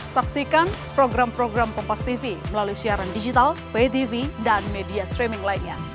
saksikan program program kompastv melalui siaran digital vtv dan media streaming lainnya